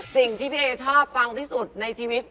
สิ่งที่พี่เอชอบฟังที่สุดในชีวิต